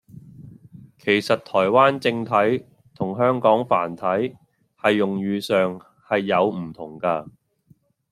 其實「台灣正體」同「香港繁體」係用語上係有唔同架